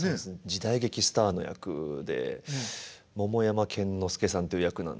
時代劇スターの役で桃山剣之介さんという役なんですよね。